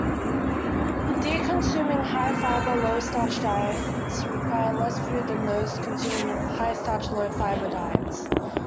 Deer consuming high-fiber, low-starch diets require less food than those consuming high-starch, low-fiber diets.